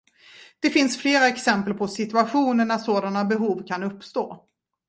Det finns flera exempel på situationer när sådana behov kan uppstå.